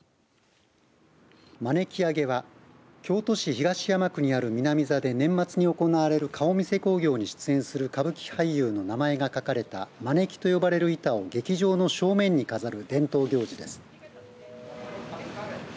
まねき上げは京都市東山区にある南座で年末に行われる顔見世興行に出演する歌舞伎俳優の名前が書かれたまねきと呼ばれる板を劇場の正面に飾る伝統行事です。